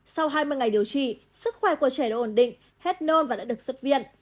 sau hai mươi ngày điều trị sức khỏe của trẻ đã ổn định hết nôn và đã được xuất viện